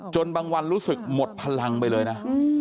บางวันรู้สึกหมดพลังไปเลยนะ